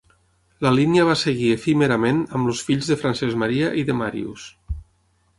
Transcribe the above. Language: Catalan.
La línia va seguir efímerament amb els fills de Francesc Maria i de Màrius.